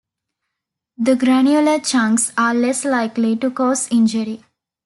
The granular chunks are less likely to cause injury.